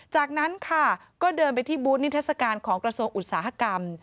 จากนั้นค่ะก็เดินไปที่บูธนิทรศการของกระทรวงอุตสาหกรรม